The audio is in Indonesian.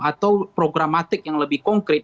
atau programatik yang lebih konkret